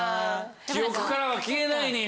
記憶からは消えないねや。